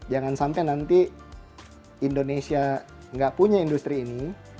jangan sampai nanti indonesia nggak punya industri ini